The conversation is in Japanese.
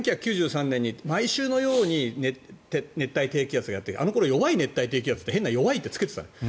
１９９３年に毎週のように熱帯低気圧がやってきてあの頃、弱い熱帯低気圧って変な弱いってつけてたんです。